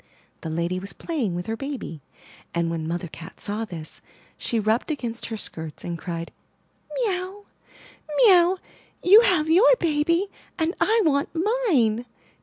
The lady was playing with her baby, and, when Mother Cat saw this, she rubbed against her skirts and cried: ''Mee ow, mee ow! You have your baby, and I want mine!